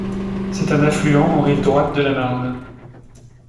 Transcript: C'est un affluent en rive droite de la Marne.